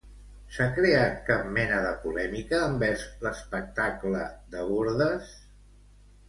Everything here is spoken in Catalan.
S'ha creat cap mena de polèmica envers l'espectacle de Bordes?